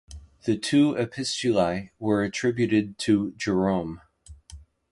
The two Epistulae were attributed to Jerome.